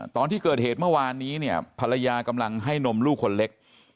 ตอนที่เกิดเหตุเมื่อวานนี้เนี่ยภรรยากำลังให้นมลูกคนเล็ก